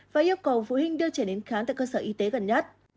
và yêu cầu phụ huynh đưa trẻ đến khám tại cơ sở y tế gần nhất